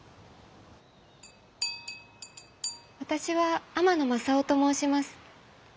私は天野まさをと申します。